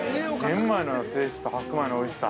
◆玄米の性質と白米のおいしさ。